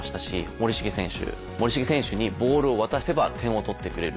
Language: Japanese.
森重選手森重選手にボールを渡せば点を取ってくれる。